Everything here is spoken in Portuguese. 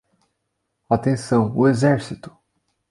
Atenção, o exército!